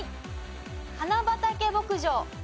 花畑牧場。